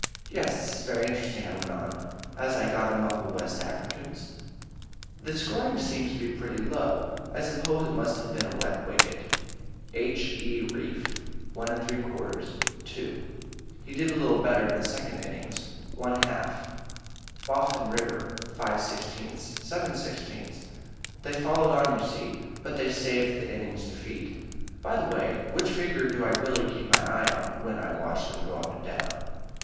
Yes, this is very interesting," I went on, as I got among the West Africans. "The scoring seems to be pretty low; I suppose it must have been a wet wicket. 'H.E. Reef, 1 3/4, 2' he did a little better in the second innings. '1/2, Boffin River, 5/16, 7/16, they followed on, you see, but they saved the innings defeat. By the way, which figure do I really keep my eye on when I want to watch them go up and down?"